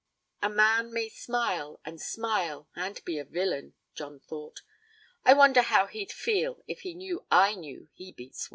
'A man may smile and smile and be a villain,' John thought. 'I wonder how he'd feel, if he knew I knew he beats women.'